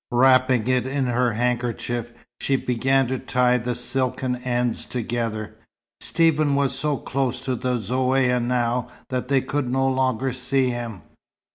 Wrapping it in her handkerchief, she began to tie the silken ends together. Stephen was so close to the Zaouïa now that they could no longer see him.